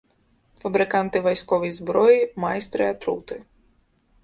Фабрыканты вайсковай зброі, майстры атруты.